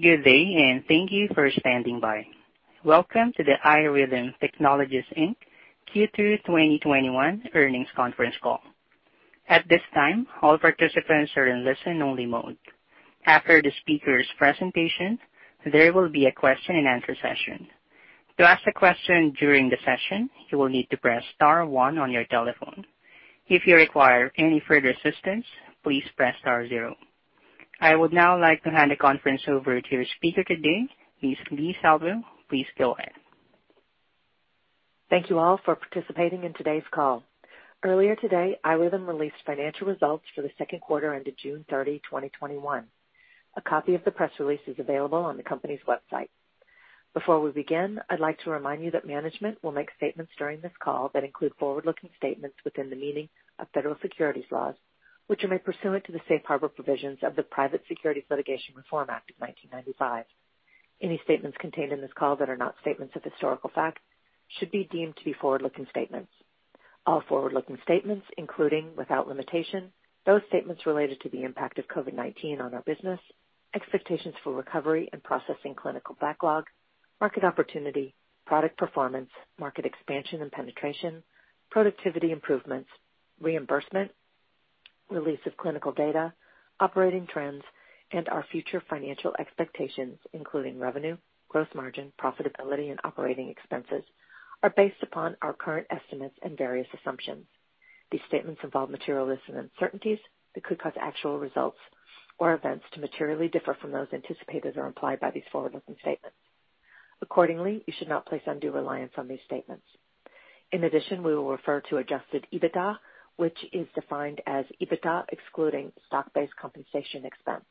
Good day, and thank you for standing by. Welcome to the iRhythm Technologies, Inc. Q2 2021 earnings conference call. At this time, all participants are in listen only mode. After the speaker's presentation, there will be a question and answer session. To ask a question during the session, you will need to press star one on your telephone. If you require any further assistance, please press star zero. I would now like to hand the conference over to your speaker today, Ms. Leigh Salvo. Please go ahead. Thank you all for participating in today's call. Earlier today, iRhythm released financial results for the second quarter ended June 30, 2021. A copy of the press release is available on the company's website. Before we begin, I'd like to remind you that management will make statements during this call that include forward-looking statements within the meaning of federal securities laws, which are made pursuant to the safe harbor provisions of the Private Securities Litigation Reform Act of 1995. Any statements contained in this call that are not statements of historical fact should be deemed to be forward-looking statements. All forward-looking statements, including, without limitation, those statements related to the impact of COVID-19 on our business, expectations for recovery and processing clinical backlog, market opportunity, product performance, market expansion and penetration, productivity improvements, reimbursement, release of clinical data, operating trends, and our future financial expectations, including revenue, gross margin, profitability, and operating expenses, are based upon our current estimates and various assumptions. These statements involve material risks and uncertainties that could cause actual results or events to materially differ from those anticipated or implied by these forward-looking statements. Accordingly, you should not place undue reliance on these statements. In addition, we will refer to adjusted EBITDA, which is defined as EBITDA excluding stock-based compensation expense.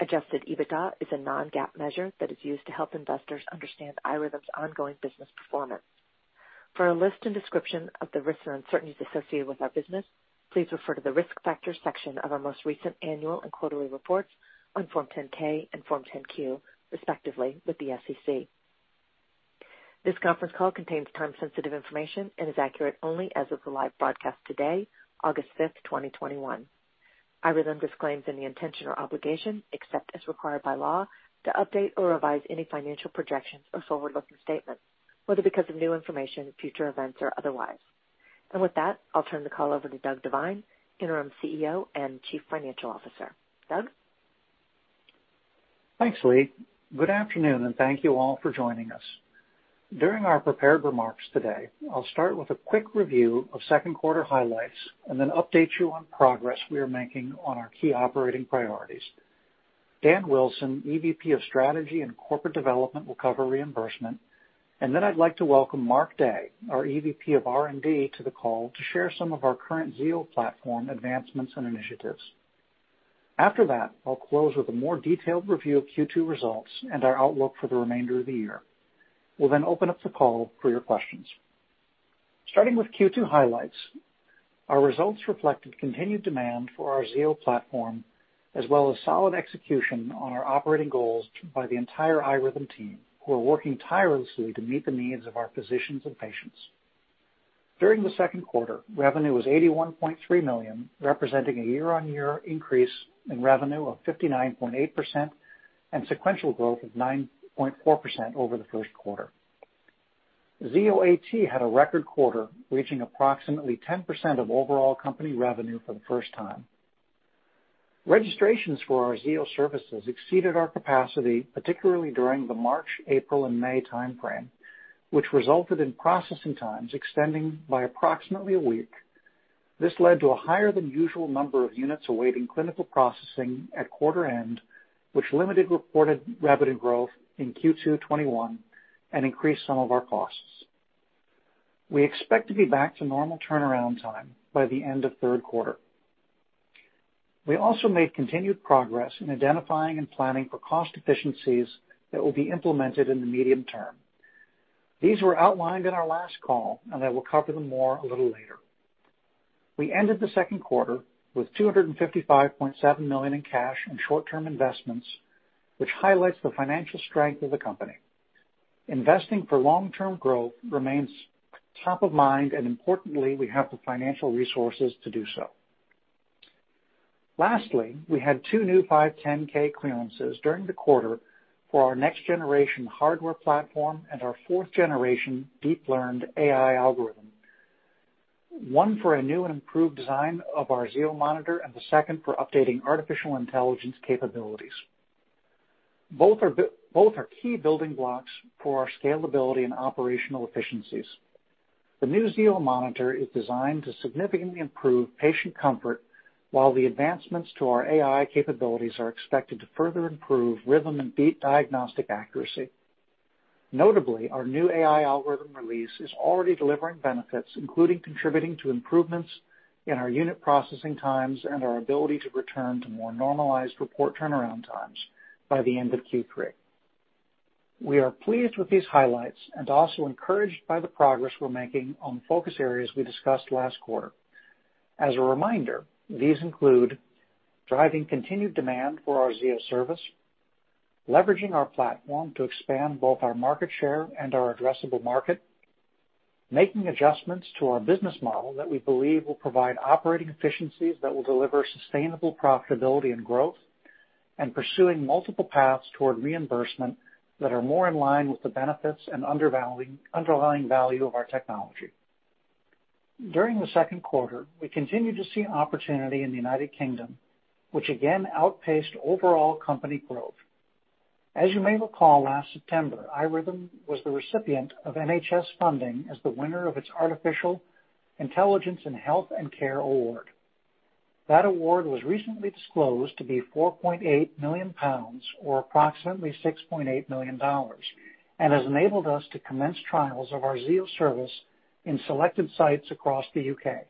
Adjusted EBITDA is a non-GAAP measure that is used to help investors understand iRhythm's ongoing business performance. For a list and description of the risks and uncertainties associated with our business, please refer to the risk factors section of our most recent annual and quarterly reports on Form 10-K and Form 10-Q, respectively, with the SEC. This conference call contains time-sensitive information and is accurate only as of the live broadcast today, August 5th, 2021. iRhythm disclaims any intention or obligation, except as required by law, to update or revise any financial projections or forward-looking statements, whether because of new information, future events, or otherwise. With that, I'll turn the call over to Doug Devine, Interim Chief Executive Officer and Chief Financial Officer. Doug? Thanks, Leigh. Good afternoon. Thank you all for joining us. During our prepared remarks today, I'll start with a quick review of second quarter highlights. Then update you on progress we are making on our key operating priorities. Dan Wilson, EVP of Strategy and Corporate Development, will cover reimbursement. Then I'd like to welcome Mark Day, our EVP of R&D, to the call to share some of our current Zio platform advancements and initiatives. After that, I'll close with a more detailed review of Q2 results and our outlook for the remainder of the year. We'll open up the call for your questions. Starting with Q2 highlights, our results reflected continued demand for our Zio platform, as well as solid execution on our operating goals by the entire iRhythm team, who are working tirelessly to meet the needs of our physicians and patients. During the second quarter, revenue was $81.3 million, representing a year-on-year increase in revenue of 59.8% and sequential growth of 9.4% over the first quarter. Zio AT had a record quarter, reaching approximately 10% of overall company revenue for the first time. Registrations for our Zio services exceeded our capacity, particularly during the March, April, and May timeframe, which resulted in processing times extending by approximately one week. This led to a higher than usual number of units awaiting clinical processing at quarter end, which limited reported revenue growth in Q2 2021 and increased some of our costs. We expect to be back to normal turnaround time by the end of third quarter. We also made continued progress in identifying and planning for cost efficiencies that will be implemented in the medium term. These were outlined in our last call, and I will cover them more a little later. We ended the second quarter with $255.7 million in cash and short-term investments, which highlights the financial strength of the company. Investing for long-term growth remains top of mind, and importantly, we have the financial resources to do so. Lastly, we had two new 510 clearances during the quarter for our next generation hardware platform and our fourth generation deep learned AI algorithm. One for a new and improved design of our Zio monitor, and the second for updating artificial intelligence capabilities. Both are key building blocks for our scalability and operational efficiencies. The new Zio monitor is designed to significantly improve patient comfort, while the advancements to our AI capabilities are expected to further improve rhythm and beat diagnostic accuracy. Notably, our new AI algorithm release is already delivering benefits, including contributing to improvements in our unit processing times and our ability to return to more normalized report turnaround times by the end of Q3. We are pleased with these highlights and also encouraged by the progress we're making on focus areas we discussed last quarter. As a reminder, these include driving continued demand for our Zio service, leveraging our platform to expand both our market share and our addressable market, making adjustments to our business model that we believe will provide operating efficiencies that will deliver sustainable profitability and growth, and pursuing multiple paths toward reimbursement that are more in line with the benefits and underlying value of our technology. During the second quarter, we continued to see opportunity in the United Kingdom, which again outpaced overall company growth. As you may recall, last September, iRhythm was the recipient of NHS funding as the winner of its Artificial Intelligence in Health and Care Award. That award was recently disclosed to be 4.8 million pounds or approximately $6.8 million and has enabled us to commence trials of our Zio service in selected sites across the U.K.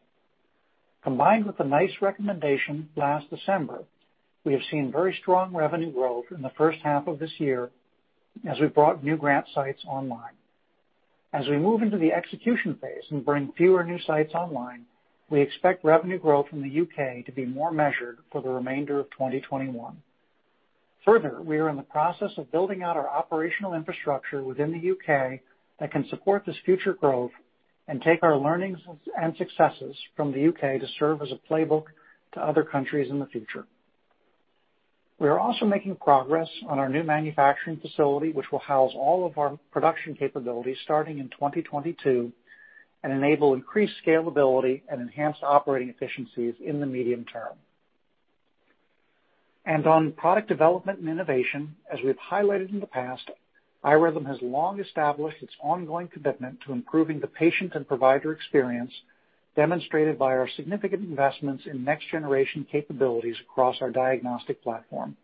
Combined with the NICE recommendation last December, we have seen very strong revenue growth in the first half of this year as we've brought new grant sites online. As we move into the execution phase and bring fewer new sites online, we expect revenue growth in the U.K. to be more measured for the remainder of 2021. Further, we are in the process of building out our operational infrastructure within the U.K. that can support this future growth and take our learnings and successes from the U.K. to serve as a playbook to other countries in the future. We are also making progress on our new manufacturing facility, which will house all of our production capabilities starting in 2022 and enable increased scalability and enhanced operating efficiencies in the medium term. On product development and innovation, as we've highlighted in the past, iRhythm has long established its ongoing commitment to improving the patient and provider experience, demonstrated by our significant investments in next-generation capabilities across our diagnostic platform.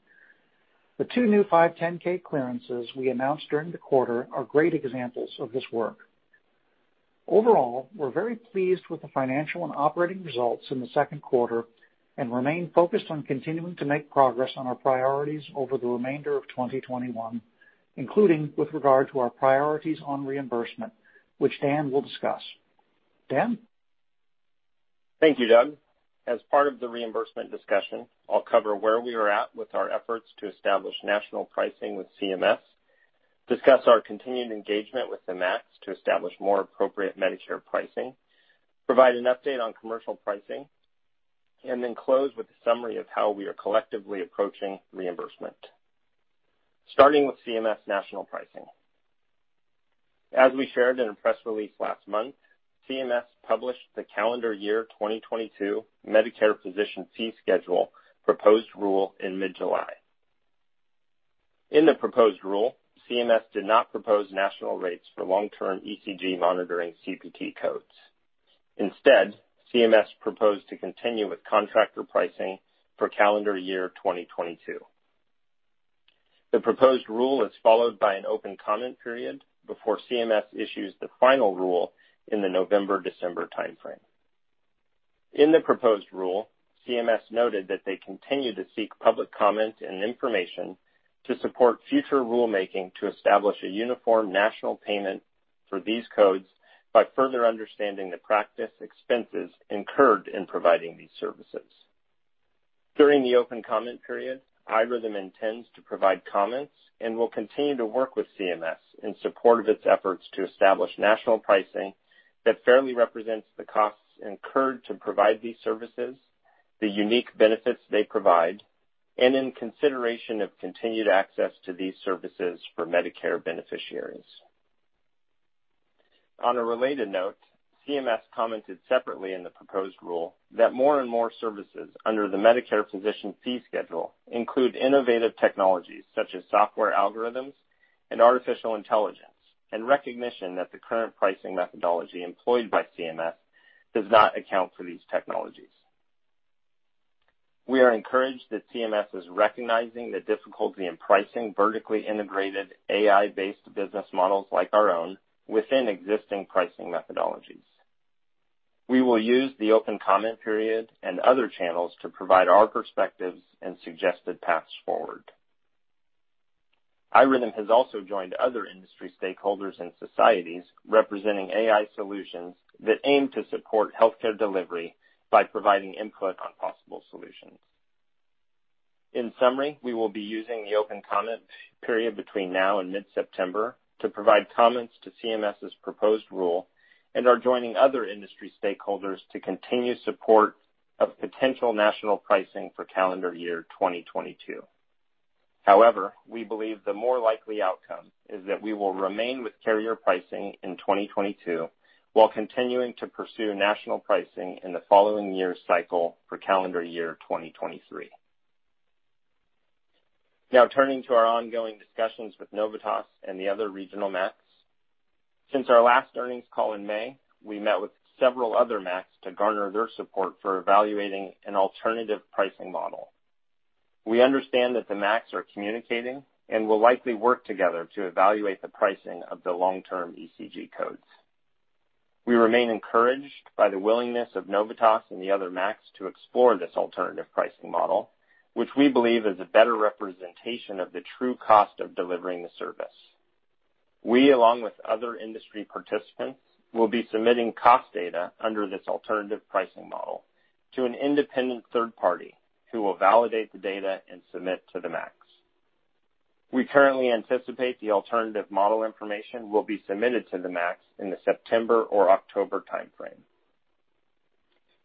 The two new 510 clearances we announced during the quarter are great examples of this work. Overall, we're very pleased with the financial and operating results in the second quarter and remain focused on continuing to make progress on our priorities over the remainder of 2021, including with regard to our priorities on reimbursement, which Dan will discuss. Dan? Thank you, Doug. As part of the reimbursement discussion, I'll cover where we are at with our efforts to establish national pricing with CMS, discuss our continued engagement with the MACs to establish more appropriate Medicare pricing, provide an update on commercial pricing, and then close with a summary of how we are collectively approaching reimbursement. Starting with CMS national pricing. As we shared in a press release last month, CMS published the calendar year 2022 Medicare Physician Fee Schedule proposed rule in mid-July. In the proposed rule, CMS did not propose national rates for long-term ECG monitoring CPT codes. Instead, CMS proposed to continue with contractor pricing for calendar year 2022. The proposed rule is followed by an open comment period before CMS issues the final rule in the November, December timeframe. In the proposed rule, CMS noted that they continue to seek public comment and information to support future rulemaking to establish a uniform national payment for these codes by further understanding the practice expenses incurred in providing these services. During the open comment period, iRhythm intends to provide comments and will continue to work with CMS in support of its efforts to establish national pricing that fairly represents the costs incurred to provide these services, the unique benefits they provide, and in consideration of continued access to these services for Medicare beneficiaries. On a related note, CMS commented separately in the proposed rule that more and more services under the Medicare Physician Fee Schedule include innovative technologies such as software algorithms and artificial intelligence, and recognition that the current pricing methodology employed by CMS does not account for these technologies. We are encouraged that CMS is recognizing the difficulty in pricing vertically integrated AI-based business models like our own within existing pricing methodologies. We will use the open comment period and other channels to provide our perspectives and suggested paths forward. iRhythm has also joined other industry stakeholders and societies representing AI solutions that aim to support healthcare delivery by providing input on possible solutions. In summary, we will be using the open comment period between now and mid-September to provide comments to CMS's proposed rule and are joining other industry stakeholders to continue support of potential national pricing for calendar year 2022. However, we believe the more likely outcome is that we will remain with carrier pricing in 2022 while continuing to pursue national pricing in the following year's cycle for calendar year 2023. Now turning to our ongoing discussions with Novitas and the other regional MACs. Since our last earnings call in May, we met with several other MACs to garner their support for evaluating an alternative pricing model. We understand that the MACs are communicating and will likely work together to evaluate the pricing of the long-term ECG codes. We remain encouraged by the willingness of Novitas and the other MACs to explore this alternative pricing model, which we believe is a better representation of the true cost of delivering the service. We, along with other industry participants, will be submitting cost data under this alternative pricing model to an independent third party who will validate the data and submit to the MACs. We currently anticipate the alternative model information will be submitted to the MACs in the September or October timeframe.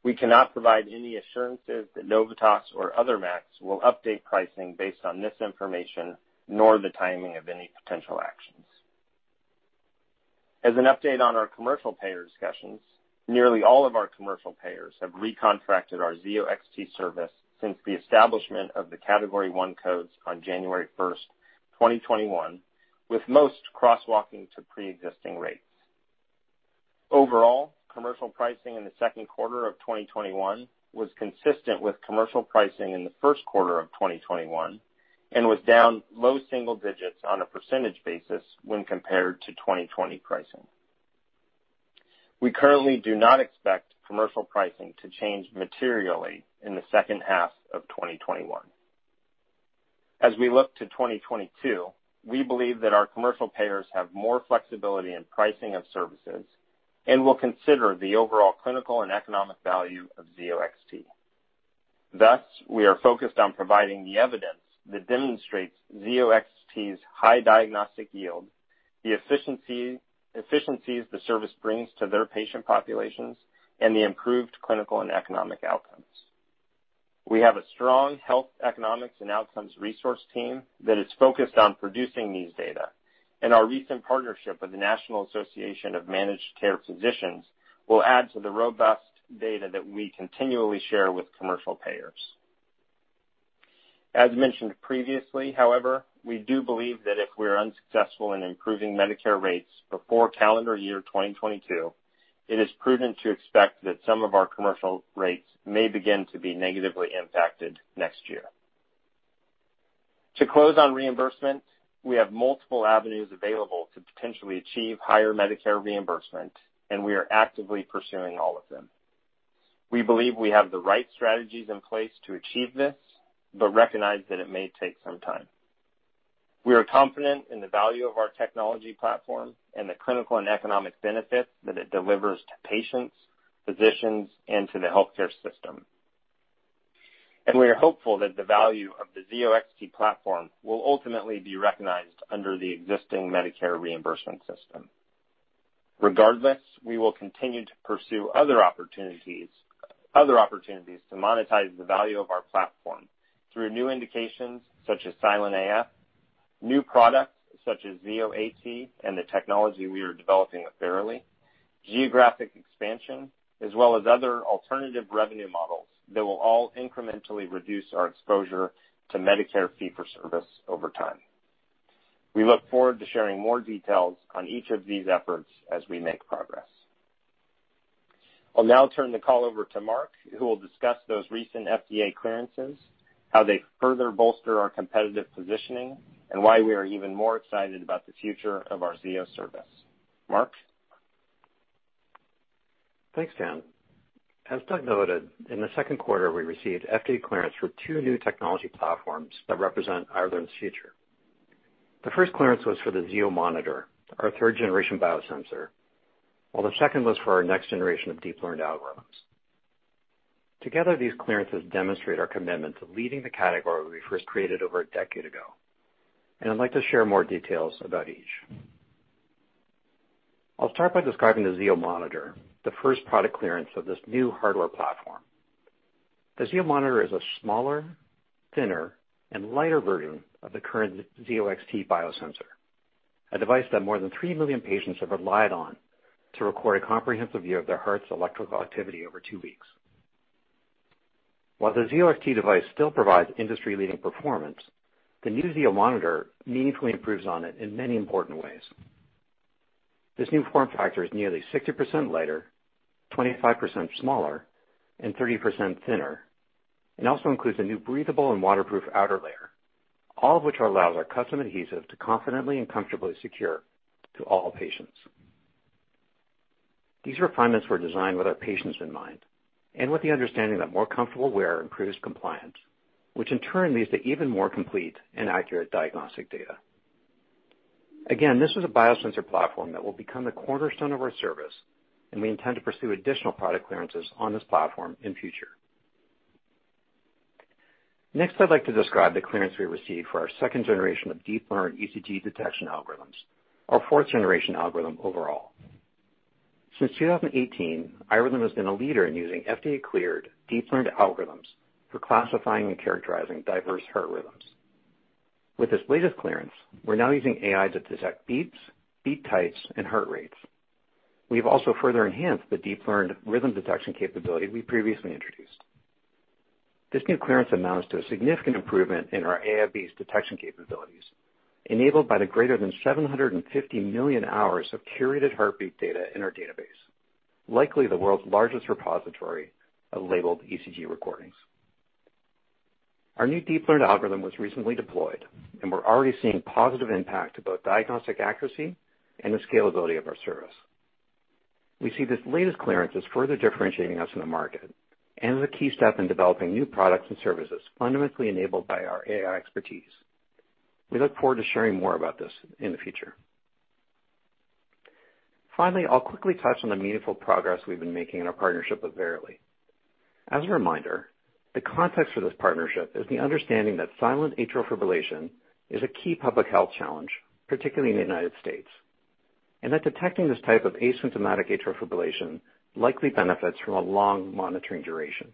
We cannot provide any assurances that Novitas or other MACs will update pricing based on this information, nor the timing of any potential actions. As an update on our commercial payer discussions, nearly all of our commercial payers have recontracted our Zio XT service since the establishment of the Category I codes on January 1st, 2021, with most crosswalking to preexisting rates. Overall, commercial pricing in the second quarter of 2021 was consistent with commercial pricing in the first quarter of 2021 and was down low single digits on a percentage basis when compared to 2020 pricing. We currently do not expect commercial pricing to change materially in the second half of 2021. As we look to 2022, we believe that our commercial payers have more flexibility in pricing of services and will consider the overall clinical and economic value of Zio XT. Thus, we are focused on providing the evidence that demonstrates Zio XT's high diagnostic yield, the efficiencies the service brings to their patient populations, and the improved clinical and economic outcomes. We have a strong health, economics, and outcomes resource team that is focused on producing these data, and our recent partnership with the National Association of Managed Care Physicians will add to the robust data that we continually share with commercial payers. As mentioned previously, however, we do believe that if we're unsuccessful in improving Medicare rates before calendar year 2022, it is prudent to expect that some of our commercial rates may begin to be negatively impacted next year. To close on reimbursement, we have multiple avenues available to potentially achieve higher Medicare reimbursement, and we are actively pursuing all of them. We believe we have the right strategies in place to achieve this but recognize that it may take some time. We are confident in the value of our technology platform and the clinical and economic benefits that it delivers to patients, physicians, and to the healthcare system. We are hopeful that the value of the Zio XT platform will ultimately be recognized under the existing Medicare reimbursement system. Regardless, we will continue to pursue other opportunities to monetize the value of our platform through new indications such as silent AF, new products such as Zio AT and the technology we are developing with Verily, geographic expansion, as well as other alternative revenue models that will all incrementally reduce our exposure to Medicare fee-for-service over time. We look forward to sharing more details on each of these efforts as we make progress. I'll now turn the call over to Mark, who will discuss those recent FDA clearances, how they further bolster our competitive positioning, and why we are even more excited about the future of our Zio service. Mark? Thanks, Dan. As Doug noted, in the second quarter, we received FDA clearance for two new technology platforms that represent iRhythm's future. The first clearance was for the Zio monitor, our third-generation biosensor, while the second was for our next generation of deep learned algorithms. Together, these clearances demonstrate our commitment to leading the category we first created over a decade ago, and I'd like to share more details about each. I'll start by describing the Zio monitor, the first product clearance of this new hardware platform. The Zio monitor is a smaller, thinner, and lighter version of the current Zio XT biosensor, a device that more than 3 million patients have relied on to record a comprehensive view of their heart's electrical activity over two weeks. While the Zio XT device still provides industry-leading performance, the new Zio monitor meaningfully improves on it in many important ways. This new form factor is nearly 60% lighter, 25% smaller, and 30% thinner, and also includes a new breathable and waterproof outer layer, all of which allows our custom adhesive to confidently and comfortably secure to all patients. These refinements were designed with our patients in mind and with the understanding that more comfortable wear improves compliance, which in turn leads to even more complete and accurate diagnostic data. Again, this is a biosensor platform that will become the cornerstone of our service, and we intend to pursue additional product clearances on this platform in future. Next, I'd like to describe the clearance we received for our second generation of deep learned ECG detection algorithms, our fourth-generation algorithm overall. Since 2018, iRhythm has been a leader in using FDA-cleared, deep learned algorithms for classifying and characterizing diverse heart rhythms. With this latest clearance, we're now using AI to detect beats, beat types, and heart rates. We've also further enhanced the deep learned rhythm detection capability we previously introduced. This new clearance amounts to a significant improvement in our AFib's detection capabilities, enabled by the greater than 750 million hours of curated heartbeat data in our database, likely the world's largest repository of labeled ECG recordings. Our new deep learned algorithm was recently deployed, we're already seeing positive impact to both diagnostic accuracy and the scalability of our service. We see this latest clearance as further differentiating us in the market and as a key step in developing new products and services fundamentally enabled by our AI expertise. We look forward to sharing more about this in the future. Finally, I'll quickly touch on the meaningful progress we've been making in our partnership with Verily. As a reminder, the context for this partnership is the understanding that silent atrial fibrillation is a key public health challenge, particularly in the U.S., and that detecting this type of asymptomatic atrial fibrillation likely benefits from a long monitoring duration.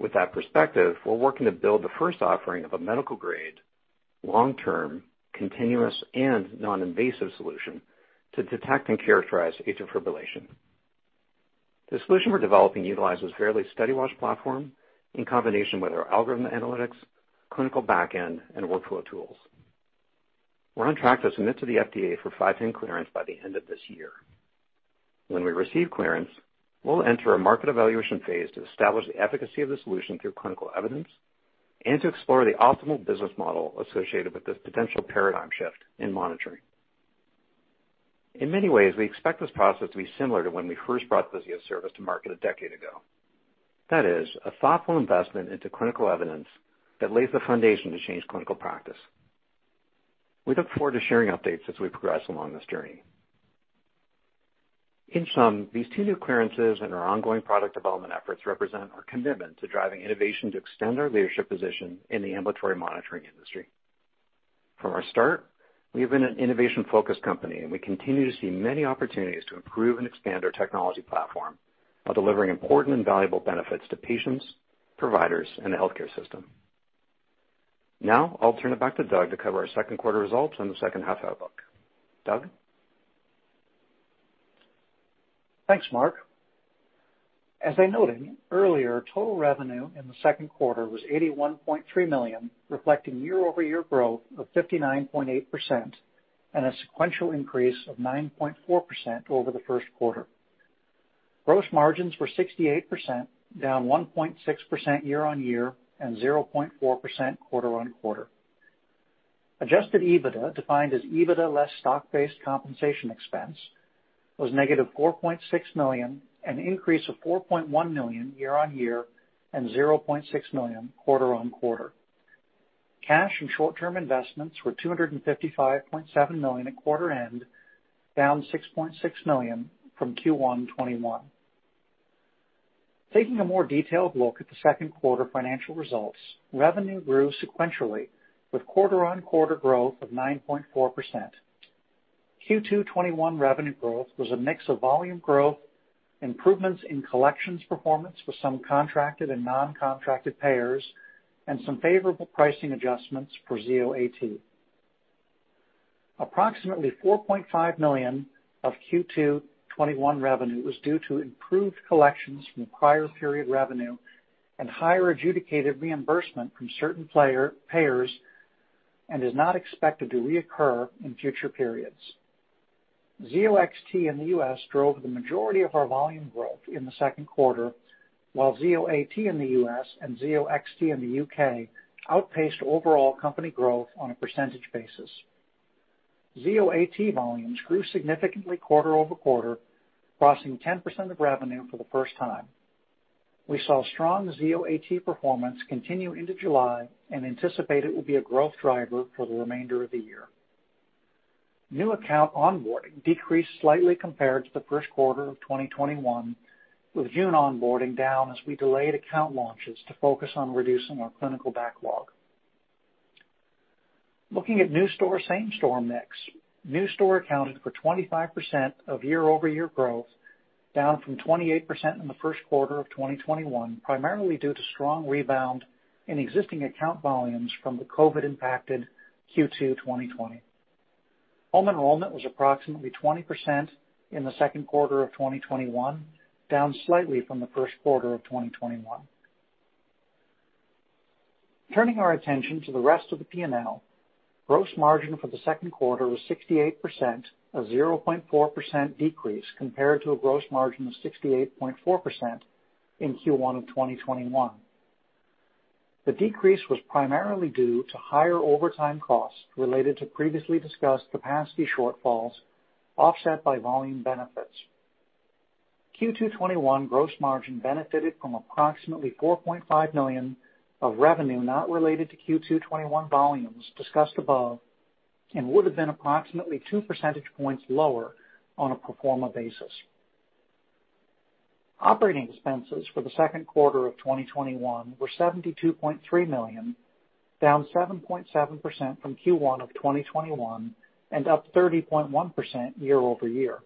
With that perspective, we're working to build the first offering of a medical-grade, long-term, continuous, and non-invasive solution to detect and characterize atrial fibrillation. The solution we're developing utilizes Verily's Study Watch platform in combination with our algorithm analytics, clinical back end, and workflow tools. We're on track to submit to the FDA for 510(k) clearance by the end of this year. When we receive clearance, we'll enter a market evaluation phase to establish the efficacy of the solution through clinical evidence and to explore the optimal business model associated with this potential paradigm shift in monitoring. In many ways, we expect this process to be similar to when we first brought the Zio service to market a decade ago. That is, a thoughtful investment into clinical evidence that lays the foundation to change clinical practice. We look forward to sharing updates as we progress along this journey. In sum, these two new clearances and our ongoing product development efforts represent our commitment to driving innovation to extend our leadership position in the ambulatory monitoring industry. From our start, we have been an innovation-focused company, and we continue to see many opportunities to improve and expand our technology platform while delivering important and valuable benefits to patients, providers, and the healthcare system. Now, I'll turn it back to Doug to cover our second quarter results and the second half outlook. Doug? Thanks, Mark. As I noted earlier, total revenue in the second quarter was $81.3 million, reflecting year-over-year growth of 59.8% and a sequential increase of 9.4% over the first quarter. Gross margins were 68%, down 1.6% year-over-year and 0.4% quarter-on-quarter. Adjusted EBITDA, defined as EBITDA less stock-based compensation expense, was -$4.6 million, an increase of $4.1 million year-over-year and $0.6 million quarter-on-quarter. Cash and short-term investments were $255.7 million at quarter end, down $6.6 million from Q1 2021. Taking a more detailed look at the second quarter financial results, revenue grew sequentially with quarter-on-quarter growth of 9.4%. Q2 2021 revenue growth was a mix of volume growth, improvements in collections performance for some contracted and non-contracted payers, and some favorable pricing adjustments for Zio AT. Approximately $4.5 million of Q2 2021 revenue was due to improved collections from the prior period revenue and higher adjudicated reimbursement from certain payers and is not expected to reoccur in future periods. Zio XT in the U.S. drove the majority of our volume growth in the second quarter, while Zio AT in the U.S. and Zio XT in the U.K. outpaced overall company growth on a percentage basis. Zio AT volumes grew significantly quarter-over-quarter, crossing 10% of revenue for the first time. We saw strong Zio AT performance continue into July and anticipate it will be a growth driver for the remainder of the year. New account onboarding decreased slightly compared to the first quarter of 2021, with June onboarding down as we delayed account launches to focus on reducing our clinical backlog. Looking at new store, same store mix, new store accounted for 25% of year-over-year growth, down from 28% in the first quarter of 2021, primarily due to strong rebound in existing account volumes from the COVID-impacted Q2 2020. Home enrollment was approximately 20% in the second quarter of 2021, down slightly from the first quarter of 2021. Turning our attention to the rest of the P&L, gross margin for the second quarter was 68%, a 0.4% decrease compared to a gross margin of 68.4% in Q1 2021. The decrease was primarily due to higher overtime costs related to previously discussed capacity shortfalls offset by volume benefits. Q2 2021 gross margin benefited from approximately $4.5 million of revenue not related to Q2 2021 volumes discussed above and would have been approximately 2 percentage points lower on a pro forma basis. Operating expenses for the second quarter of 2021 were $72.3 million, down 7.7% from Q1 2021 and up 30.1% year-over-year.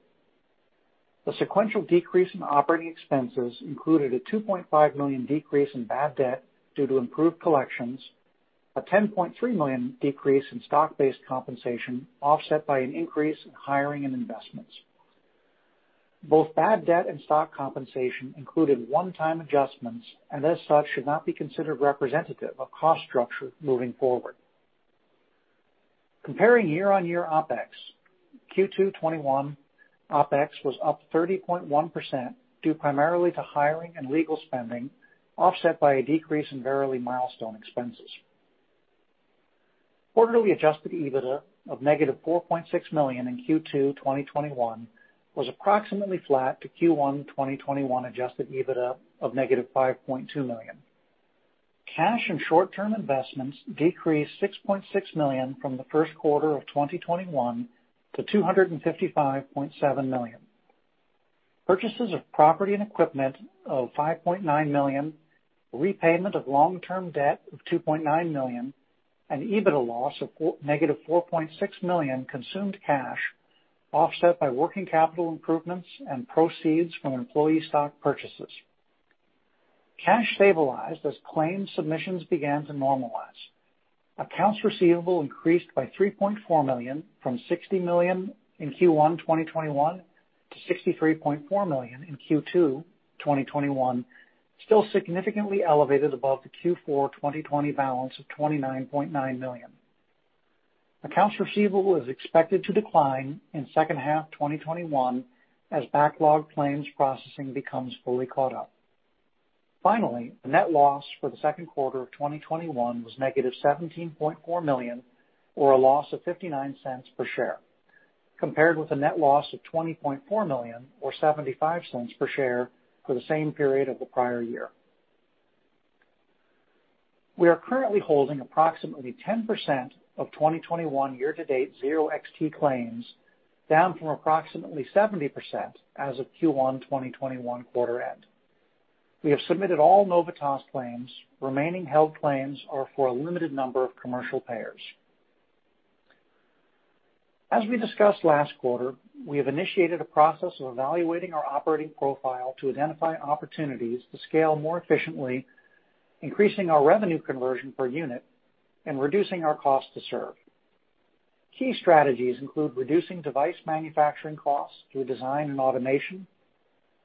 The sequential decrease in operating expenses included a $2.5 million decrease in bad debt due to improved collections, a $10.3 million decrease in stock-based compensation offset by an increase in hiring and investments. Both bad debt and stock compensation included one-time adjustments and as such should not be considered representative of cost structure moving forward. Comparing year-over-year OpEx, Q2 2021 OpEx was up 30.1% due primarily to hiring and legal spending offset by a decrease in Verily milestone expenses. Quarterly adjusted EBITDA of -$4.6 million in Q2 2021 was approximately flat to Q1 2021 adjusted EBITDA of -$5.2 million. Cash and short-term investments decreased $6.6 million from the first quarter of 2021 to $255.7 million. Purchases of property and equipment of $5.9 million, repayment of long-term debt of $2.9 million, and EBITDA loss of -$4.6 million consumed cash, offset by working capital improvements and proceeds from employee stock purchases. Cash stabilized as claims submissions began to normalize. Accounts receivable increased by $3.4 million from $60 million in Q1 2021 to $63.4 million in Q2 2021, still significantly elevated above the Q4 2020 balance of $29.9 million. Accounts receivable is expected to decline in second half 2021 as backlog claims processing becomes fully caught up. Finally, the net loss for the second quarter of 2021 was -$17.4 million, or a loss of $0.59 per share, compared with a net loss of $20.4 million or $0.75 per share for the same period of the prior year. We are currently holding approximately 10% of 2021 year-to-date Zio XT claims, down from approximately 70% as of Q1 2021 quarter end. We have submitted all Novitas claims. Remaining held claims are for a limited number of commercial payers. As we discussed last quarter, we have initiated a process of evaluating our operating profile to identify opportunities to scale more efficiently, increasing our revenue conversion per unit and reducing our cost to serve. Key strategies include reducing device manufacturing costs through design and automation,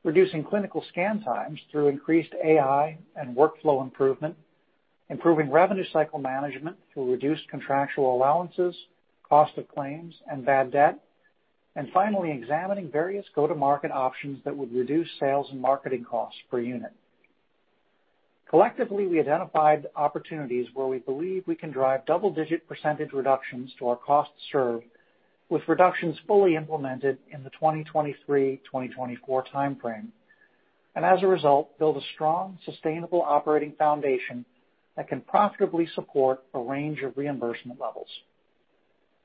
reducing clinical scan times through increased AI and workflow improvement, improving revenue cycle management to reduce contractual allowances, cost of claims, and bad debt, and finally, examining various go-to-market options that would reduce sales and marketing costs per unit. Collectively, we identified opportunities where we believe we can drive double-digit percentage reductions to our cost serve, with reductions fully implemented in the 2023-2024 timeframe, and as a result, build a strong, sustainable operating foundation that can profitably support a range of reimbursement levels.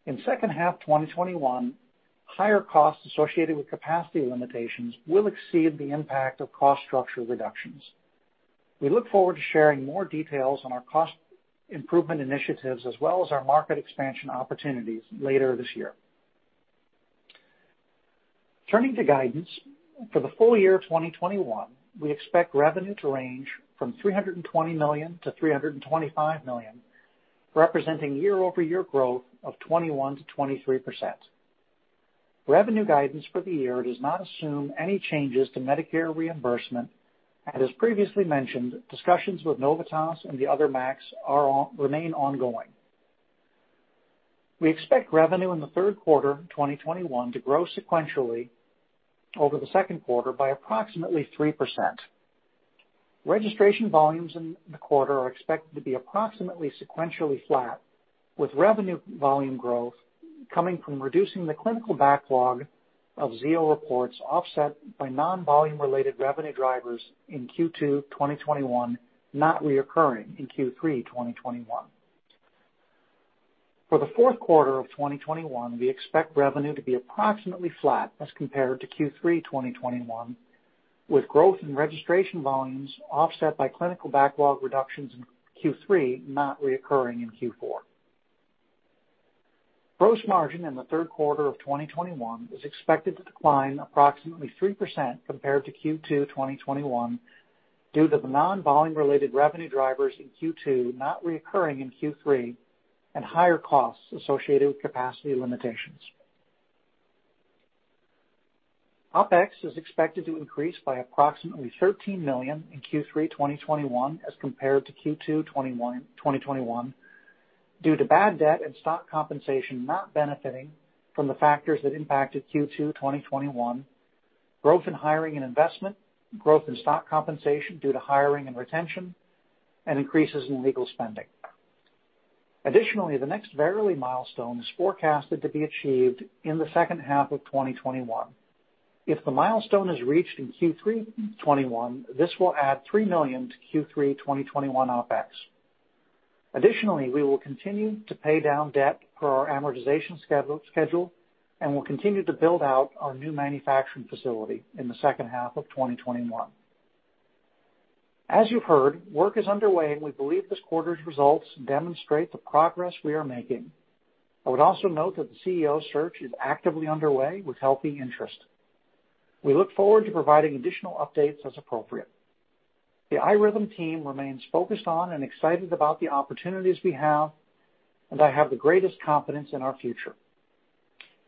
In second half 2021, higher costs associated with capacity limitations will exceed the impact of cost structure reductions. We look forward to sharing more details on our cost improvement initiatives as well as our market expansion opportunities later this year. Turning to guidance. For the full year 2021, we expect revenue to range from $320 million-$325 million, representing year-over-year growth of 21%-23%. Revenue guidance for the year does not assume any changes to Medicare reimbursement. As previously mentioned, discussions with Novitas and the other MACs remain ongoing. We expect revenue in the third quarter 2021 to grow sequentially over the second quarter by approximately 3%. Registration volumes in the quarter are expected to be approximately sequentially flat, with revenue volume growth coming from reducing the clinical backlog of Zio reports offset by non-volume related revenue drivers in Q2 2021 not reoccurring in Q3 2021. For the fourth quarter of 2021, we expect revenue to be approximately flat as compared to Q3 2021, with growth in registration volumes offset by clinical backlog reductions in Q3 not reoccurring in Q4. Gross margin in the third quarter of 2021 is expected to decline approximately 3% compared to Q2 2021 due to the non-volume related revenue drivers in Q2 not reoccurring in Q3 and higher costs associated with capacity limitations. OpEx is expected to increase by approximately $13 million in Q3 2021 as compared to Q2 2021 due to bad debt and stock compensation not benefiting from the factors that impacted Q2 2021, growth in hiring and investment, growth in stock compensation due to hiring and retention, and increases in legal spending. Additionally, the next Verily milestone is forecasted to be achieved in the second half of 2021. If the milestone is reached in Q3 2021, this will add $3 million to Q3 2021 OpEx. Additionally, we will continue to pay down debt per our amortization schedule, and we'll continue to build out our new manufacturing facility in the second half of 2021. As you've heard, work is underway, and we believe this quarter's results demonstrate the progress we are making. I would also note that the CEO search is actively underway with healthy interest. We look forward to providing additional updates as appropriate. The iRhythm team remains focused on and excited about the opportunities we have, and I have the greatest confidence in our future.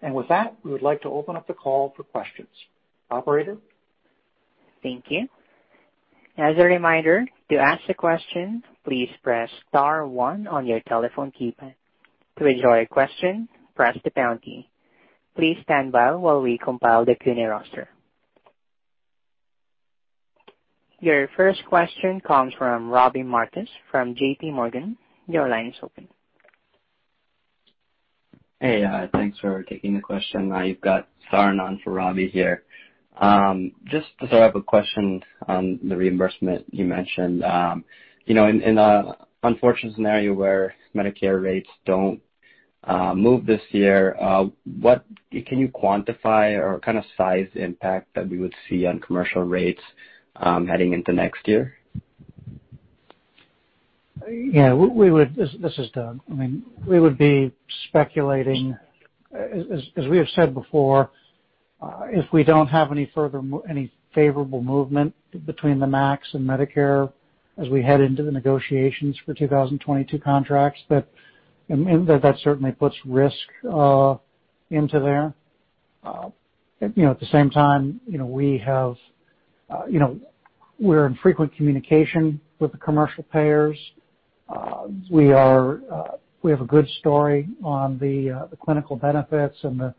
With that, we would like to open up the call for questions. Operator? Thank you. As a reminder, to ask a question, please press star one on your telephone keypad. To withdraw your question, press the pound key. Please stand by while we compile the Q&A roster. Your first question comes from Robbie Marcus from JPMorgan. Your line is open. Hey, thanks for taking the question. You've got Saran on for Robbie here. Just to follow up a question on the reimbursement you mentioned. In an unfortunate scenario where Medicare rates don't move this year, can you quantify or size the impact that we would see on commercial rates heading into next year? Yeah. This is Doug. We would be speculating. As we have said before, if we don't have any favorable movement between the MACs and Medicare as we head into the negotiations for 2022 contracts, that certainly puts risk into there. At the same time, we're in frequent communication with the commercial payers. We have a good story on the clinical benefits and the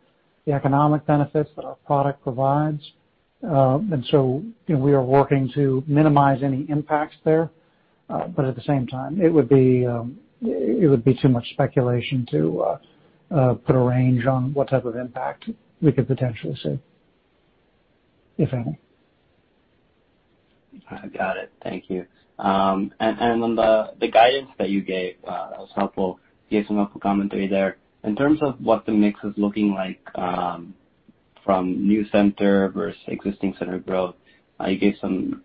economic benefits that our product provides. We are working to minimize any impacts there. At the same time, it would be too much speculation to put a range on what type of impact we could potentially see, if any. Got it. Thank you. On the guidance that you gave, that was helpful. You gave some helpful commentary there. In terms of what the mix is looking like from new center versus existing center growth, you gave some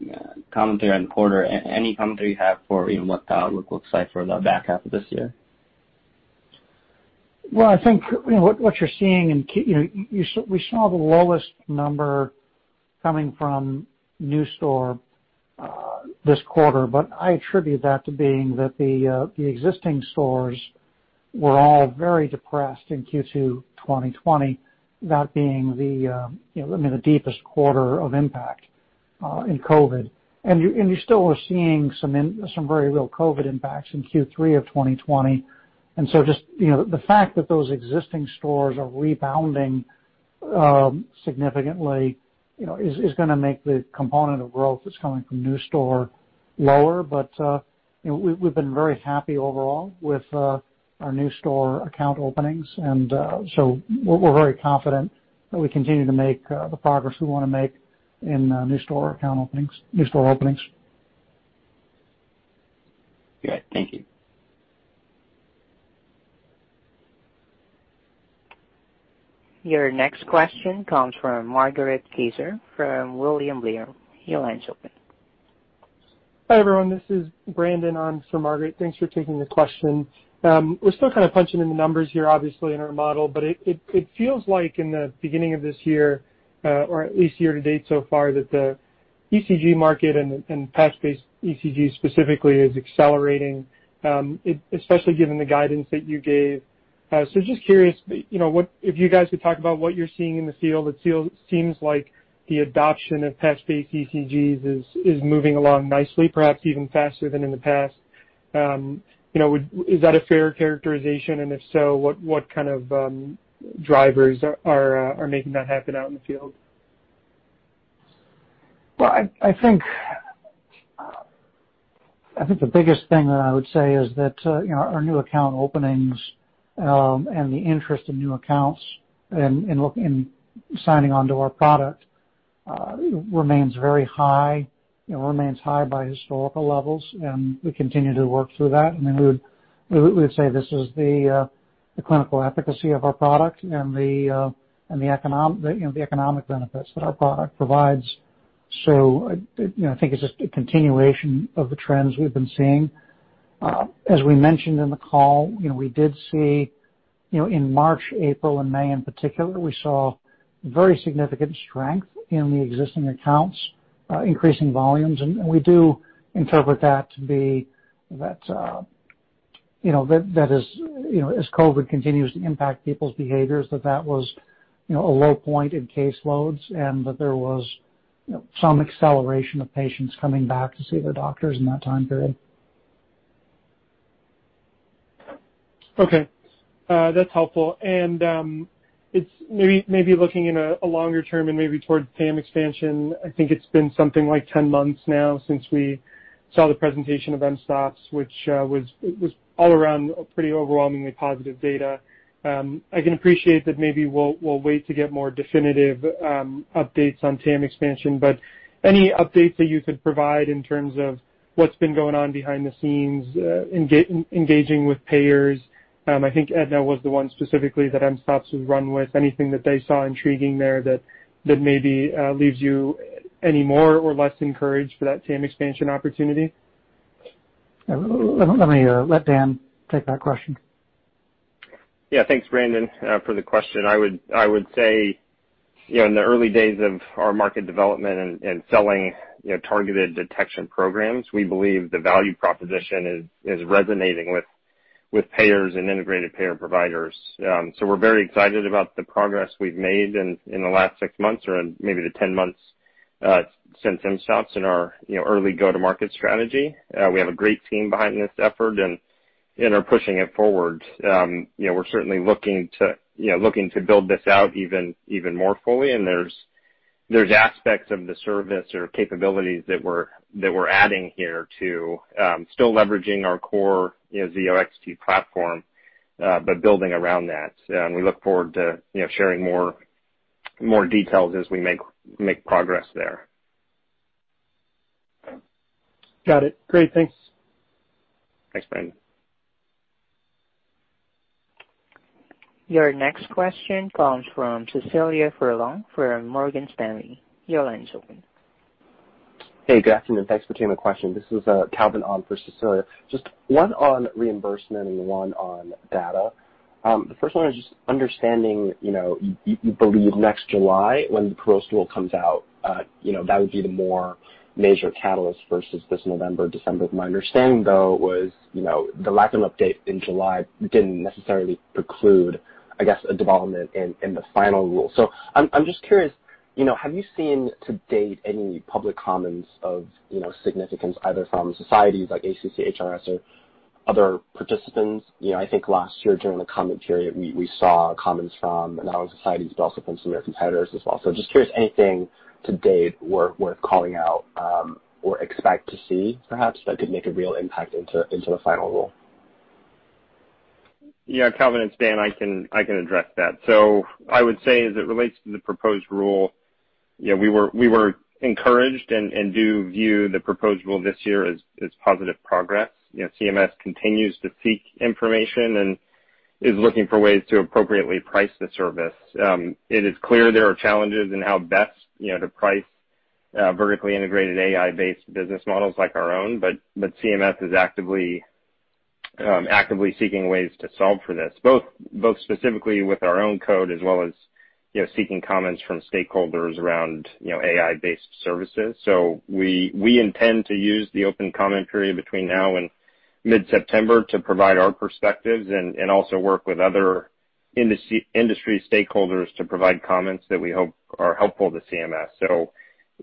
commentary on quarter. Any commentary you have for what the outlook looks like for the back half of this year? Well, I think what you're seeing, we saw the lowest number coming from new store this quarter, but I attribute that to being that the existing stores were all very depressed in Q2 2020, that being the deepest quarter of impact in COVID. You still are seeing some very real COVID impacts in Q3 of 2020. Just the fact that those existing stores are rebounding significantly is going to make the component of growth that's coming from new store lower. We've been very happy overall with our new store account openings, and so we're very confident that we continue to make the progress we want to make in new store openings. Great. Thank you. Your next question comes from Margaret Kaczor from William Blair. Your line's open. Hi, everyone. This is Brandon on for Margaret. Thanks for taking the question. We're still kind of punching in the numbers here, obviously, in our model, but it feels like in the beginning of this year, or at least year to date so far, that the ECG market and patch-based ECG specifically is accelerating, especially given the guidance that you gave. Just curious, if you guys could talk about what you're seeing in the field, it seems like the adoption of patch-based ECGs is moving along nicely, perhaps even faster than in the past. Is that a fair characterization, and if so, what kind of drivers are making that happen out in the field? Well, I think the biggest thing that I would say is that our new account openings and the interest in new accounts in signing onto our product remains very high. It remains high by historical levels, and we continue to work through that. We would say this is the clinical efficacy of our product and the economic benefits that our product provides. I think it's just a continuation of the trends we've been seeing. As we mentioned in the call, we did see in March, April, and May in particular, we saw very significant strength in the existing accounts, increasing volumes, and we do interpret that to be that as COVID continues to impact people's behaviors, that that was a low point in caseloads and that there was some acceleration of patients coming back to see their doctors in that time period. Okay. That's helpful. Maybe looking in a longer term and maybe towards TAM expansion, I think it's been something like 10 months now since we saw the presentation of mSToPS, which was all around pretty overwhelmingly positive data. I can appreciate that maybe we'll wait to get more definitive updates on TAM expansion, but any updates that you could provide in terms of what's been going on behind the scenes engaging with payers? I think Aetna was the one specifically that mSToPS was run with. Anything that they saw intriguing there that maybe leaves you any more or less encouraged for that TAM expansion opportunity? Let me let Dan take that question. Yeah. Thanks, Brandon, for the question. I would say in the early days of our market development and selling targeted detection programs, we believe the value proposition is resonating with payers and integrated payer providers. We're very excited about the progress we've made in the last six months or maybe the 10 months since mSToPS in our early go-to-market strategy. We have a great team behind this effort and are pushing it forward. We're certainly looking to build this out even more fully, there's aspects of the service or capabilities that we're adding here to still leveraging our core Zio XT platform, but building around that. We look forward to sharing more details as we make progress there. Got it. Great. Thanks. Thanks, Brandon. Your next question comes from Cecilia Furlong for Morgan Stanley. Your line's open. Hey, good afternoon. Thanks for taking my question. This is Calvin on for Cecilia. Just one on reimbursement and one on data. The first one is just understanding, you believe next July, when the proposed rule comes out, that would be the more major catalyst versus this November, December. My understanding, though, was the lack of update in July didn't necessarily preclude, I guess, a development in the final rule. I'm just curious, have you seen to date any public comments of significance either from societies like ACC, HRS, or other participants? I think last year during the comment period, we saw comments from not only societies, but also from some of your competitors as well. Just curious, anything to date worth calling out, or expect to see perhaps that could make a real impact into the final rule? Calvin, it's Dan. I can address that. I would say as it relates to the proposed rule, we were encouraged and do view the proposed rule this year as positive progress. CMS continues to seek information and is looking for ways to appropriately price the service. It is clear there are challenges in how best to price vertically integrated AI-based business models like our own. CMS is actively seeking ways to solve for this, both specifically with our own code as well as seeking comments from stakeholders around AI-based services. We intend to use the open comment period between now and mid-September to provide our perspectives and also work with other industry stakeholders to provide comments that we hope are helpful to CMS.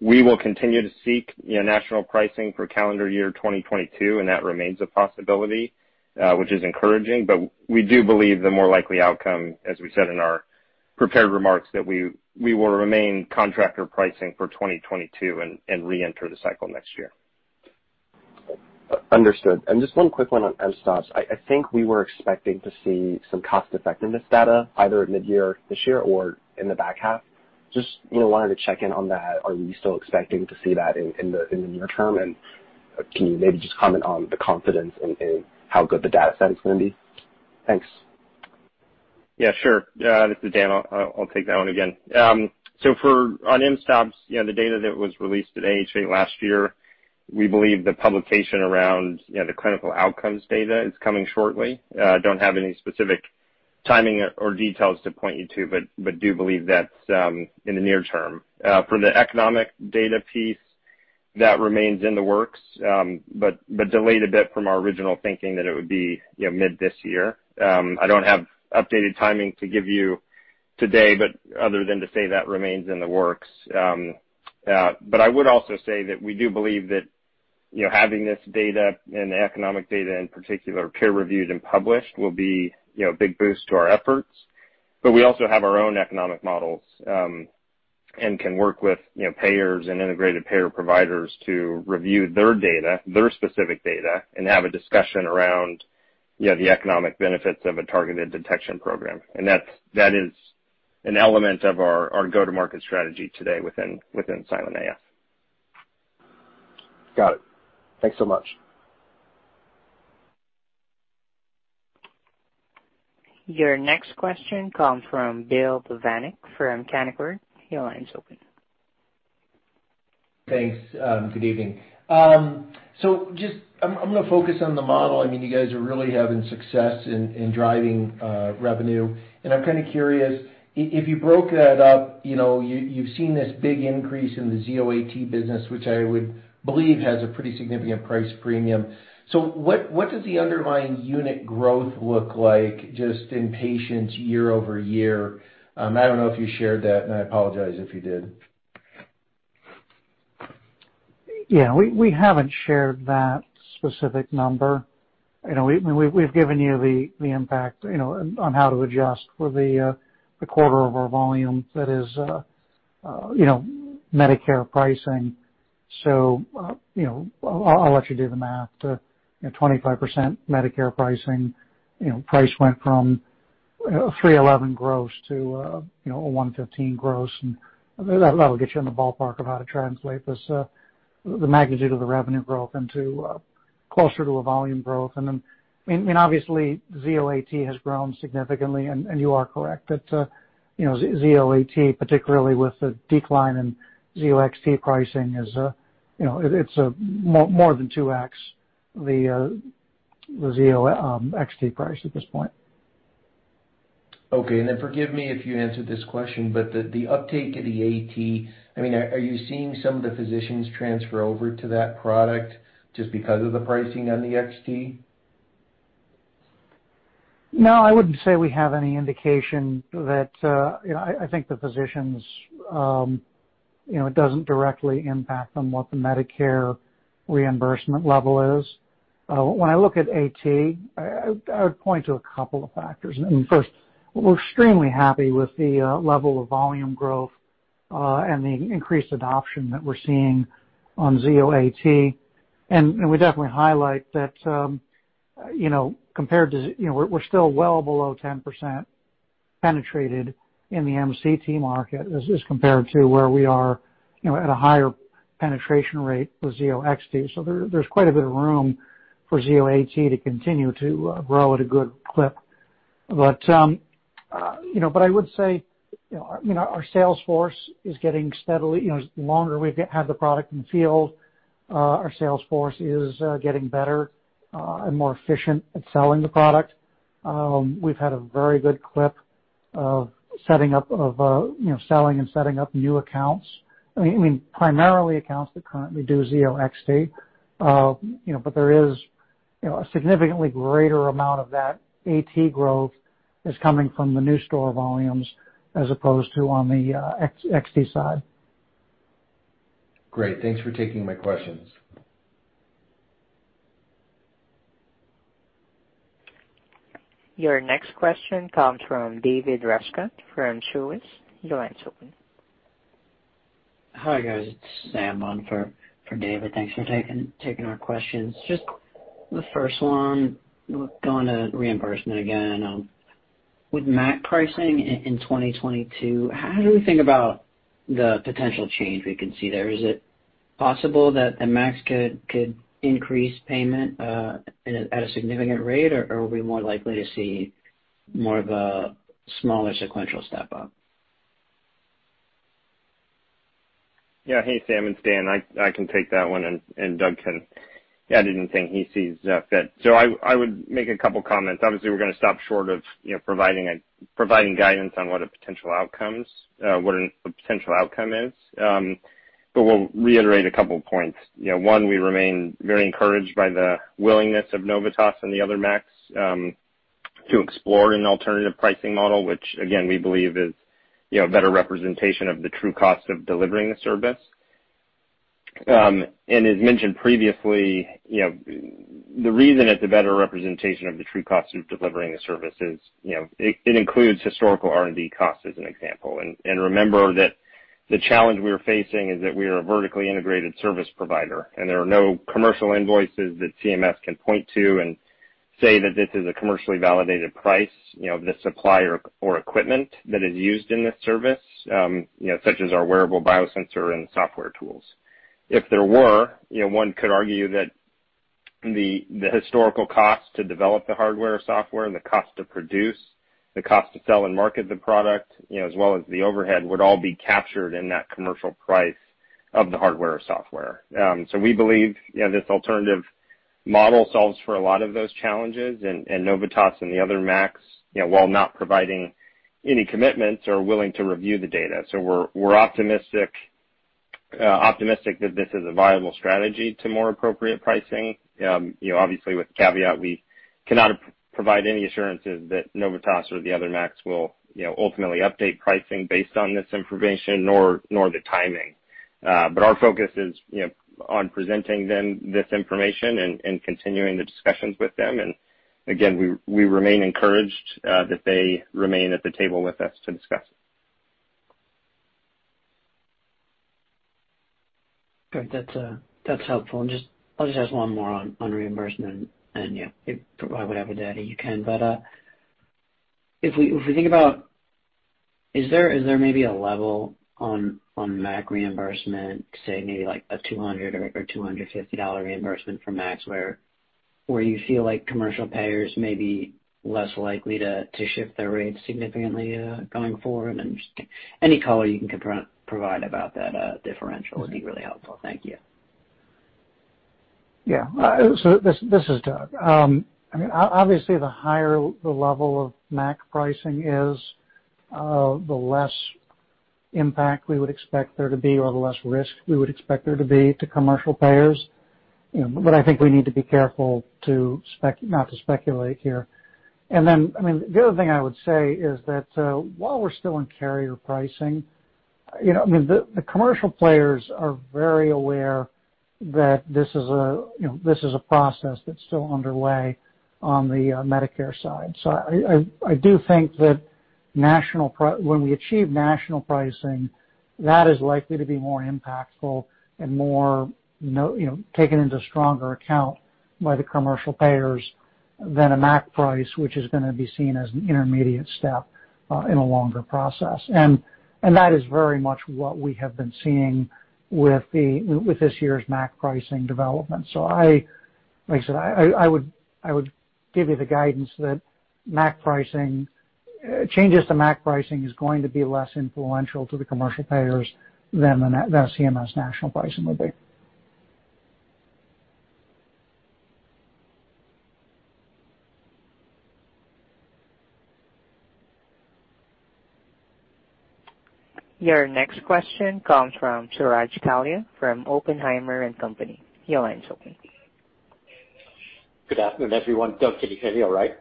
We will continue to seek national pricing for calendar year 2022, and that remains a possibility, which is encouraging. We do believe the more likely outcome, as we said in our prepared remarks, that we will remain contractor pricing for 2022 and reenter the cycle next year. Understood. Just one quick one on mSToPS. I think we were expecting to see some cost effectiveness data either mid-year this year or in the back half. Just wanted to check in on that. Are we still expecting to see that in the near term? Can you maybe just comment on the confidence in how good the data set is going to be? Thanks. Yeah, sure. This is Dan. I'll take that one again. On mSToPS, the data that was released at AHA last year, we believe the publication around the clinical outcomes data is coming shortly. Don't have any specific timing or details to point you to, do believe that's in the near term. For the economic data piece, that remains in the works, delayed a bit from our original thinking that it would be mid this year. I don't have updated timing to give you today, other than to say that remains in the works. I would also say that we do believe that having this data and the economic data in particular, peer reviewed and published will be a big boost to our efforts. We also have our own economic models, and can work with payers and integrated payer providers to review their data, their specific data, and have a discussion around the economic benefits of a targeted detection program. That is an element of our go-to-market strategy today within Silent AF. Got it. Thanks so much. Your next question comes from Bill Plovanic from Canaccord. Your line is open. Thanks. Good evening. Just I'm going to focus on the model. You guys are really having success in driving revenue. I'm kind of curious if you broke that up, you've seen this big increase in the Zio AT business, which I would believe has a pretty significant price premium. What does the underlying unit growth look like just in patients year-over-year? I don't know if you shared that, and I apologize if you did. We haven't shared that specific number. We've given you the impact on how to adjust for the quarter of our volume that is Medicare pricing. I'll let you do the math. 25% Medicare pricing, price went from $311 gross to $115 gross, and that'll get you in the ballpark of how to translate this, the magnitude of the revenue growth into closer to a volume growth. Obviously Zio AT has grown significantly, and you are correct that Zio AT, particularly with the decline in Zio XT pricing is, it's more than 2x the Zio XT price at this point. Okay. Forgive me if you answered this question, but the uptake of the AT, are you seeing some of the physicians transfer over to that product just because of the pricing on the XT? No, I wouldn't say we have any indication. I think the physicians, it doesn't directly impact them what the Medicare reimbursement level is. When I look at AT, I would point to a couple of factors. First, we're extremely happy with the level of volume growth and the increased adoption that we're seeing on Zio AT. We definitely highlight that we're still well below 10% penetrated in the MCT market as compared to where we are at a higher penetration rate with Zio XT. There's quite a bit of room for Zio AT to continue to grow at a good clip. I would say our sales force is getting steadily the longer we've had the product in the field, our sales force is getting better and more efficient at selling the product. We've had a very good clip of selling and setting up new accounts. Primarily accounts that currently do Zio XT, but there is a significantly greater amount of that AT growth is coming from the new store volumes as opposed to on the XT side. Great. Thanks for taking my questions. Your next question comes from David Rescott from Truist. Your line's open. Hi, guys. It's Sam on for David. Thanks for taking our questions. The first one, going to reimbursement again. With MAC pricing in 2022, how do we think about the potential change we can see there? Is it possible that the MACs could increase payment at a significant rate, or are we more likely to see more of a smaller sequential step-up? Hey, Sam. It's Dan. I can take that one, and Doug can add anything he sees fit. I would make a couple of comments. Obviously, we're going to stop short of providing guidance on what a potential outcome is. We'll reiterate a couple of points. One, we remain very encouraged by the willingness of Novitas and the other MACs to explore an alternative pricing model, which again, we believe is a better representation of the true cost of delivering the service. As mentioned previously, the reason it's a better representation of the true cost of delivering the service is it includes historical R&D costs, as an example. Remember that the challenge we are facing is that we are a vertically integrated service provider, and there are no commercial invoices that CMS can point to and say that this is a commercially validated price, this supplier or equipment that is used in this service, such as our wearable biosensor and software tools. If there were, one could argue that the historical cost to develop the hardware or software and the cost to produce, the cost to sell and market the product, as well as the overhead, would all be captured in that commercial price of the hardware or software. We believe this alternative model solves for a lot of those challenges, Novitas and the other MACs, while not providing any commitments, are willing to review the data. We're optimistic that this is a viable strategy to more appropriate pricing. Obviously, with the caveat, we cannot provide any assurances that Novitas or the other MACs will ultimately update pricing based on this information, nor the timing. Our focus is on presenting them this information and continuing the discussions with them. Again, we remain encouraged that they remain at the table with us to discuss it. Great. That's helpful. I'll just ask one more on reimbursement and provide whatever data you can. If we think about, is there maybe a level on MAC reimbursement, say maybe like a $200 or $250 reimbursement for MACs, where you feel like commercial payers may be less likely to shift their rates significantly going forward? Just any color you can provide about that differential would be really helpful. Thank you. This is Doug. Obviously, the higher the level of MAC pricing is, the less impact we would expect there to be or the less risk we would expect there to be to commercial payers. I think we need to be careful not to speculate here. The other thing I would say is that while we're still in carrier pricing, the commercial players are very aware that this is a process that's still underway on the Medicare side. I do think that when we achieve national pricing, that is likely to be more impactful and more taken into stronger account by the commercial payers than a MAC price, which is going to be seen as an intermediate step in a longer process. That is very much what we have been seeing with this year's MAC pricing development. Like I said, I would give you the guidance that changes to MAC pricing is going to be less influential to the commercial payers than CMS national pricing will be. Your next question comes from Suraj Kalia from Oppenheimer & Company. Your line's open. Good afternoon, everyone. Doug, can you hear me all right?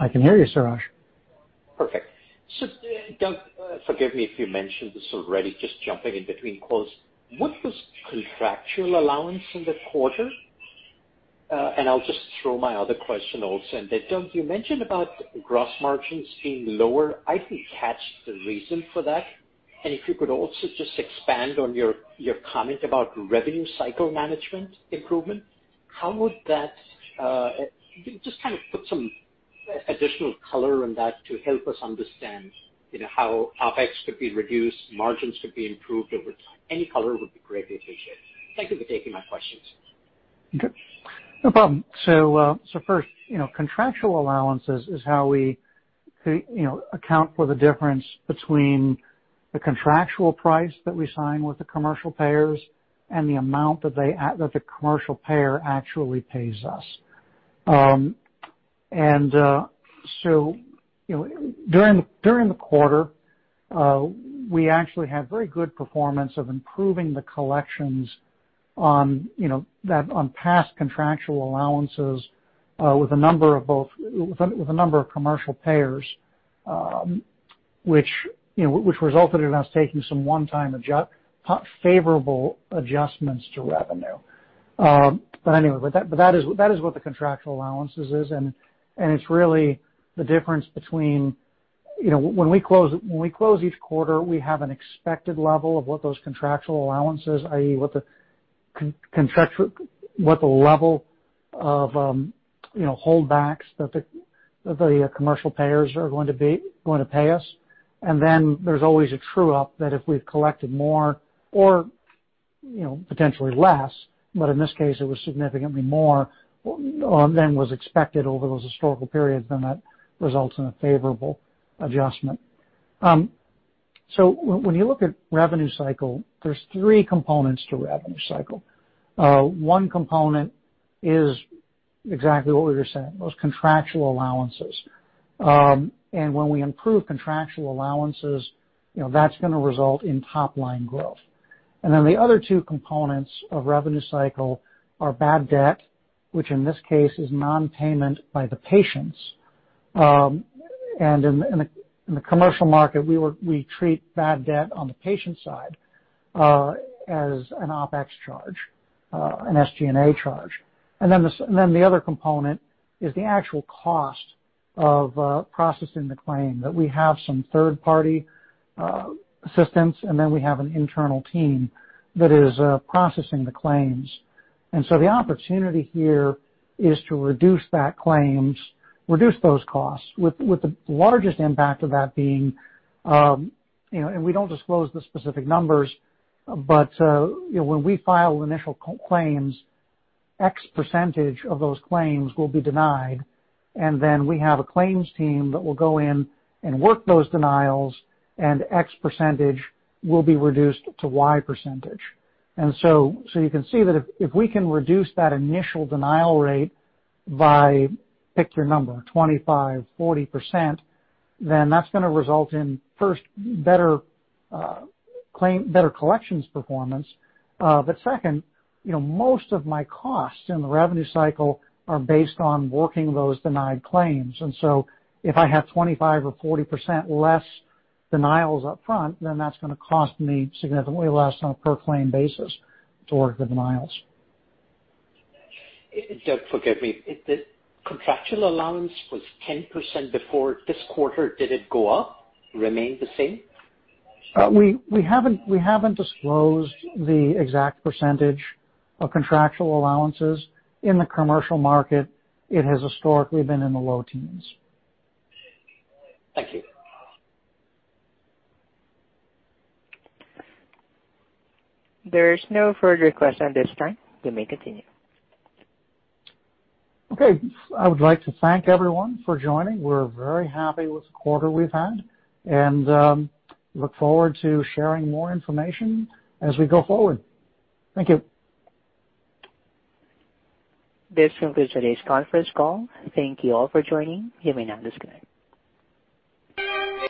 I can hear you, Suraj. Perfect. Doug, forgive me if you mentioned this already, just jumping in between calls. What was contractual allowance in the quarter? I'll just throw my other question also in there. Doug, you mentioned about gross margins being lower. I didn't catch the reason for that. If you could also just expand on your comment about revenue cycle management improvement. Just kind of put some additional color on that to help us understand how OpEx could be reduced, margins could be improved over time. Any color would be greatly appreciated. Thank you for taking my questions. No problem. First, contractual allowances is how we account for the difference between the contractual price that we sign with the commercial payers and the amount that the commercial payer actually pays us. During the quarter, we actually had very good performance of improving the collections on past contractual allowances, with a number of commercial payers, which resulted in us taking some one-time favorable adjustments to revenue. That is what the contractual allowances is, and it's really the difference between, when we close each quarter, we have an expected level of what those contractual allowances, i.e., what the level of holdbacks that the commercial payers are going to pay us. There's always a true-up that if we've collected more or potentially less, but in this case it was significantly more than was expected over those historical periods, then that results in a favorable adjustment. When you look at revenue cycle, there's three components to revenue cycle. One component is exactly what we were saying, those contractual allowances. When we improve contractual allowances, that's going to result in top-line growth. The other two components of revenue cycle are bad debt, which in this case is non-payment by the patients. In the commercial market, we treat bad debt on the patient side as an OpEx charge, an SG&A charge. The other component is the actual cost of processing the claim, that we have some third-party assistance, and then we have an internal team that is processing the claims. The opportunity here is to reduce those costs, with the largest impact of that being, and we don't disclose the specific numbers, but when we file initial claims, X percentage of those claims will be denied. Then we have a claims team that will go in and work those denials, and X percentage will be reduced to Y percentage. You can see that if we can reduce that initial denial rate by, pick your number, 25%, 40%, then that's going to result in, first, better collections performance. Second, most of my costs in the revenue cycle are based on working those denied claims. If I have 25% or 40% less denials up front, then that's going to cost me significantly less on a per-claim basis to work the denials. Doug, forgive me. The contractual allowance was 10% before this quarter. Did it go up? Remain the same? We haven't disclosed the exact percentage of contractual allowances in the commercial market. It has historically been in the low teens. Thank you. There is no further questions at this time. You may continue. Okay. I would like to thank everyone for joining. We're very happy with the quarter we've had, and look forward to sharing more information as we go forward. Thank you. This concludes today's conference call. Thank you all for joining. You may now disconnect.